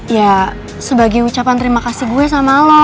ya sebagai ucapan terima kasih gue sama lo